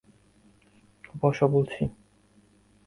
বসো বলছি!